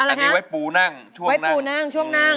อันนี้ไว้ปูนั่งช่วงไว้ปูนั่งช่วงนั่ง